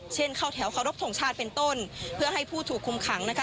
เข้าแถวเคารพทงชาติเป็นต้นเพื่อให้ผู้ถูกคุมขังนะคะ